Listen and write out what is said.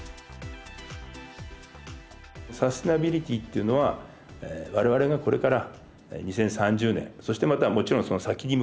サステナビリティっていうのは我々がこれから２０３０年そしてまたもちろんその先に向かってですね